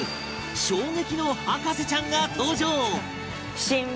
衝撃の博士ちゃんが登場